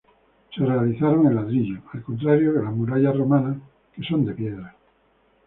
Se realizaron en ladrillo, al contrario que las murallas romanas que son de piedra.